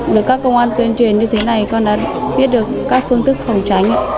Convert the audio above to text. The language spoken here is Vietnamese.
được các công an tuyên truyền như thế này con đã biết được các phương tức phòng tránh